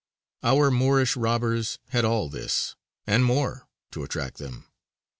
Our Moorish robbers had all this, and more, to attract them.